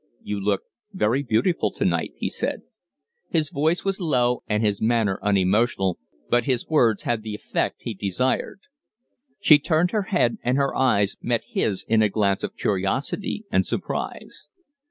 "You look very beautiful to night," he said. His voice was low and his manner unemotional, but his words had the effect he desired. She turned her head, and her eyes met his in a glance of curiosity and surprise.